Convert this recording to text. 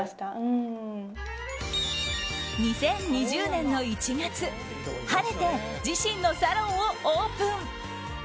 ２０２０年の１月晴れて自身のサロンをオープン。